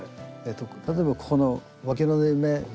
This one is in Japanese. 例えばここのわきの縫い目。